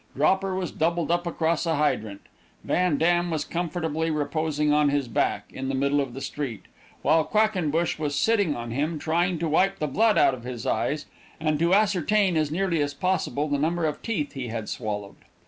Dropper was doubled up across a hydrant, Van Dam was comfortably reposing on his back, in the middle of the street, while Quackenbush was sitting on him, trying to wipe the blood out of his eyes, and to ascertain, as nearly as possible, the number of teeth he had swallowed.